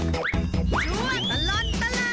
ชั่วตะล่อนตะล่อน